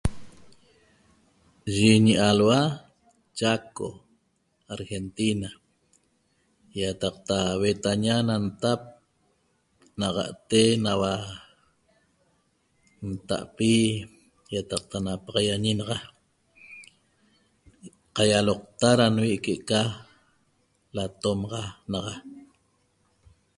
Eye ñialuaa chaco argentina ietecta huetaña nan tap naxate naba ntaapi ietecta napahiaxañi naxa caiocta da junvi da nomaxa naxa